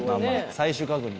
最終確認？